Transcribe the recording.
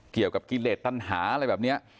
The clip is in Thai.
เกี่ยวกับกิเลสตันหาอะไรแบบนี้